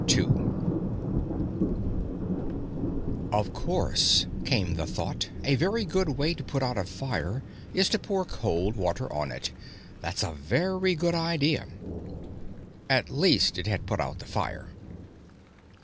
II Of course, came the thought, a very good way to put out a fire is to pour cold water on it. That's a very good idea. At least, it had put out the fire.